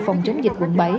phòng chống dịch quận bảy